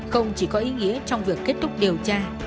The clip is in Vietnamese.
không chỉ có ý nghĩa trong việc kết thúc điều tra